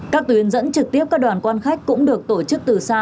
các tuyến dẫn trực tiếp các đoàn quan khách cũng được tổ chức từ xa